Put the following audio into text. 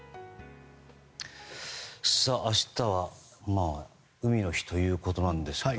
明日は海の日ということですが。